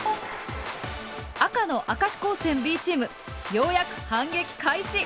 赤の明石高専Ｂチームようやく反撃開始。